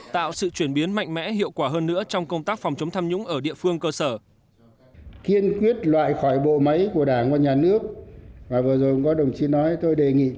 tạo sự chuyển biến mạnh mẽ hiệu quả hơn nữa trong công tác phòng chống tham nhũng ở địa phương cơ sở